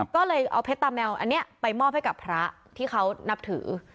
ก็เลยเอาเพชรตาแมวอันนี้ไปมอบให้กับพระที่เขานับถือ